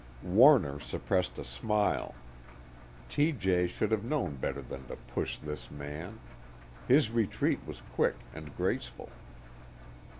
Warner suppressed a smile. T.J. should have known better than to push this man. His retreat was quick and graceful.